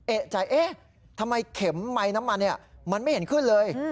เอ๊ะจ่ายเอ๊ะทำไมเข็มไม้น้ำมันเนี่ยมันไม่เห็นขึ้นเลย